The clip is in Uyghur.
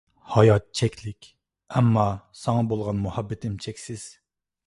ھايات چەكلىك، ئەمما ساڭا بولغان مۇھەببىتىم چەكسىز.